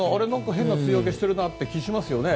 変な梅雨明けしているなって気がしますよね。